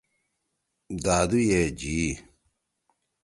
دادُو یے جی۔